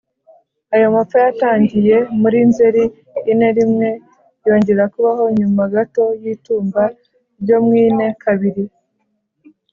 Ayo mapfa yatangiye muri Nzeri ine rimwe, yongera kubaho nyuma gato y’itumba ryo mu ine kabiri.